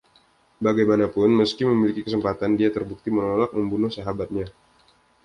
Bagaimanapun, meski memiliki kesempatan dia terbukti menolak membunuh sahabatnya.